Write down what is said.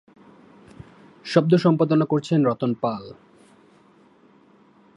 শব্দ সম্পাদনা করেছেন রতন পাল।